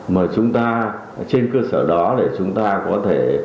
mà chúng ta trên cơ sở đó để chúng ta có thể